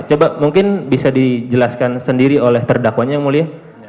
coba mungkin bisa dijelaskan sendiri oleh terdakwanya yang mulia